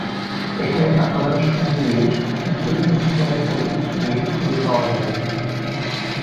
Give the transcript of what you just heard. এখানে কাতালান সঙ্গীর সত্যিকার জীবনের প্রতিচ্ছবি খুঁজে পাওয়া যাবে।